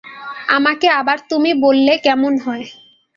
আমাকে আবার তুমি বললে কেমন হয়?